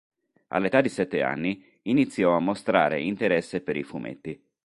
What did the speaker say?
All'età di sette anni iniziò a mostrare interesse per i fumetti.